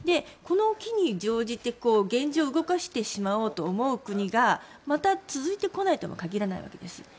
この機に乗じて現状を動かしてしまおうと思う国がまた続いてこないとも限らないわけです。